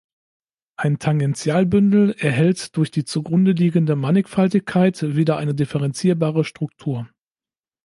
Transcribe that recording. Ein Tangentialbündel erhält durch die zugrunde liegende Mannigfaltigkeit wieder eine differenzierbare Struktur.